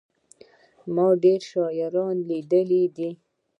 ما ډېري شاعران لېدلي دي.